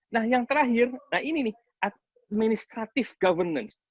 nah yang terakhir ini nih administrative governance